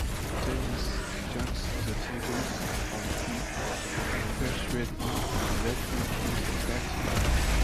Dennis turns the tables on Phil, and persuades him to let him kill Dalton.